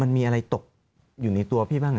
มันมีอะไรตกอยู่ในตัวพี่บ้าง